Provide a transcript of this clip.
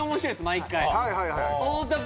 毎回はい